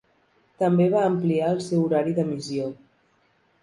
També va ampliar el seu horari d'emissió.